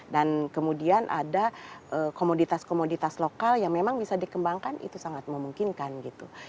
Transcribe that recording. dan kemudian ada komoditas komoditas lokal yang memang bisa dikembangkan itu sangat memungkinkan gitu